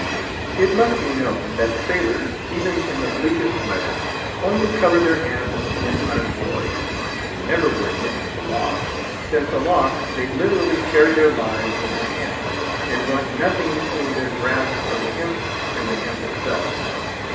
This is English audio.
It must be known, that sailors, even in the bleakest weather, only cover their hands when unemployed; they never wear mittens aloft, since aloft they literally carry their lives in their hands, and want nothing between their grasp of the hemp, and the hemp itself.